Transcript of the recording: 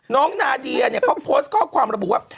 นาเดียเนี่ยเขาโพสต์ข้อความระบุว่า